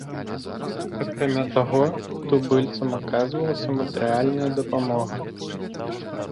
Акрамя таго, тубыльцам аказвалася матэрыяльная дапамога.